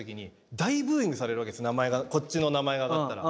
こっちの名前が挙がったら。